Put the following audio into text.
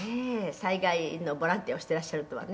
災害のボランティアをしていらっしゃるとはね」